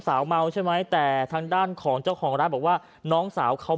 สาวเมาใช่ไหมแต่ทางด้านของเจ้าของร้านบอกว่าน้องสาวเขา